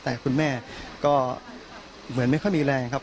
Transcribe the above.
แต่คุณแม่ก็เหมือนไม่ค่อยมีแรงครับ